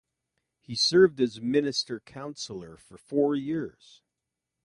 He served as Minister councilor for four years.